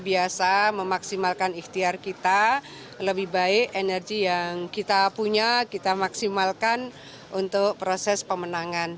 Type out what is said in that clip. biasa memaksimalkan ikhtiar kita lebih baik energi yang kita punya kita maksimalkan untuk proses pemenangan